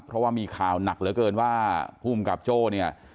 เพราะว่ามีข่าวหนักเหลือเกินว่าภูมิกับโจ้เนี่ย